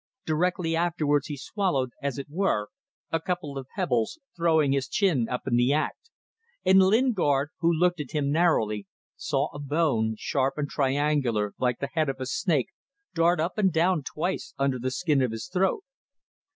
Directly afterwards he swallowed as it were a couple of pebbles, throwing his chin up in the act; and Lingard, who looked at him narrowly, saw a bone, sharp and triangular like the head of a snake, dart up and down twice under the skin of his throat.